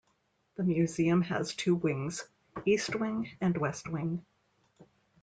The museum has two wings: east wing and west wing.